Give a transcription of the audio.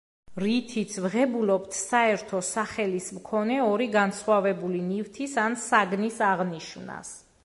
რითიც ვღებულობთ საერთო სახელის მქონე ორი განსხვავებული ნივთის ან საგნის აღნიშვნას.